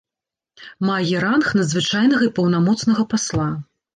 Мае ранг надзвычайнага і паўнамоцнага пасла.